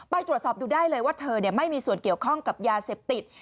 ไปตรวจสอบดูได้เลยว่าเธอไม่มีส่วนเกี่ยวข้องกับยาเสพติด